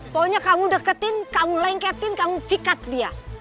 pokoknya kamu deketin kamu lengketin kamu vikat dia